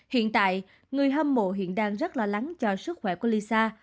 hiện tại người hâm mộ hiện đang rất lo lắng cho sức khỏe của lisa